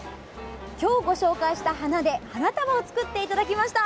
今日ご紹介した花で花束を作っていただきました。